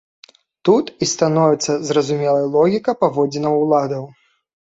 Тут і становіцца зразумелай логіка паводзінаў уладаў.